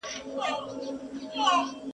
خوږې شپې د نعمتونو یې سوې هیري !.